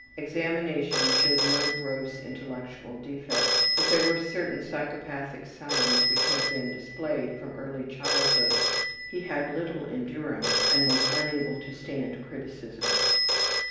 Examination showed no gross intellectual defect, but there were certain psychopathic signs which had been displayed from early childhood: he had little endurance and was unable to stand criticism.